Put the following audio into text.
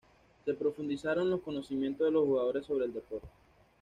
Se profundizaron los conocimientos de los jugadores sobre el deporte.